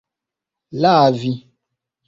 lavi